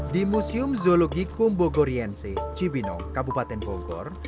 di museum zoologikum bogoriense cibino kabupaten bogor